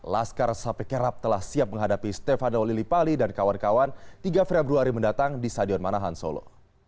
laskar sapekerap telah siap menghadapi stefano lillipali dan kawan kawan tiga februari mendatang di stadion manahan solo